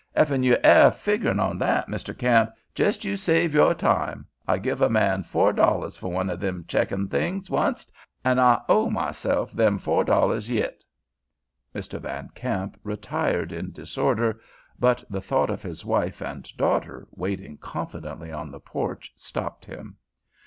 "Ef you air a figgerin' on that, Mr. Kamp, jis' you save yore time. I give a man four dollars fer one o' them check things oncet, an' I owe myself them four dollars yit." Mr. Van Kamp retired in disorder, but the thought of his wife and daughter waiting confidently on the porch stopped him.